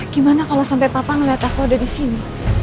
gimana kalau sampai papa ngeliat aku ada disini